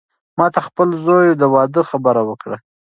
ما ته د خپل زوی د واده خبره وکړه.